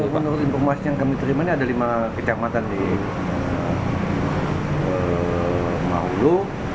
menurut informasi yang kami terima ini ada lima kecamatan di mahulu